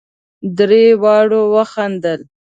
درې واړو وخندل.